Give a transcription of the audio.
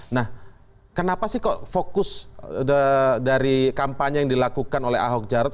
nah kenapa sih kok fokus dari kampanye yang dilakukan oleh ahok jarot